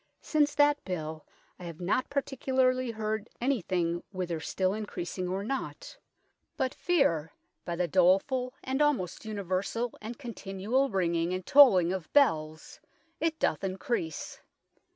Since that bill I have not particularly heard anything whither still in creasing or not, but feare, by the dolefull and almost universall and continuall ringing and tolling of bells it doth increase.